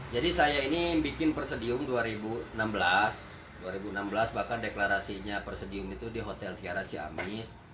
jadi saya ini bikin presidium dua ribu enam belas bahkan deklarasinya presidium itu di hotel tiara ciamis